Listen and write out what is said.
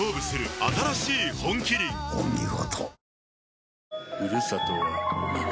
お見事。